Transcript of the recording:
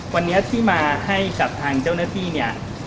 วันนี้ที่มาให้กับทางเจ้าหน้าที่เนี่ย